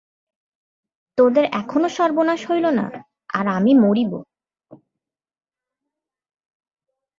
তোদের এখনও সর্বনাশ হইল না, আর আমি মরিব!